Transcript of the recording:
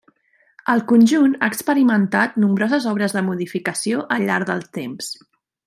El conjunt ha experimentat nombroses obres de modificació al llarg del temps.